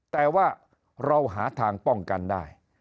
แต่ว่าเราหาทางป้องกันได้